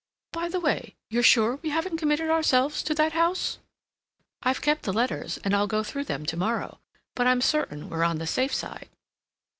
By the way, you're sure we haven't committed ourselves to that house?" "I've kept the letters, and I'll go through them to morrow; but I'm certain we're on the safe side."